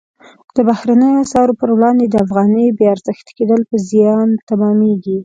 د بهرنیو اسعارو پر وړاندې د افغانۍ بې ارزښته کېدل په زیان تمامیږي.